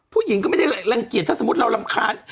ผู้หญิงก็ไม่ได้รังเกียจถ้าสมมุติเรารำคาญ